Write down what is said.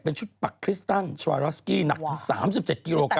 เป็นชุดปักคริสตันชวารัสกี้หนักถึง๓๗กิโลกรั